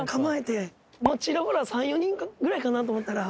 ちらほら３４人ぐらいかなと思ったら。